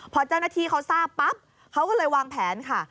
พอเจ้าหน้าที่เขาทราบปั๊บเขาก็เลยวางแผนค่ะ